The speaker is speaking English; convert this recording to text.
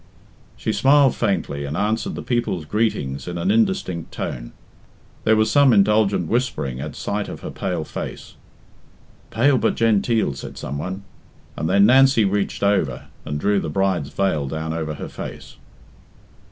She smiled faintly and answered the people's greetings in an indistinct tone. There was some indulgent whispering at sight of her pale face. "Pale but genteel," said some one, and then Nancy reached over and drew the bride's veil down over her face.